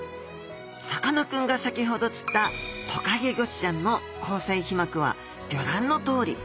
さかなクンが先ほど釣ったトカゲゴチちゃんの虹彩皮膜はギョ覧のとおり。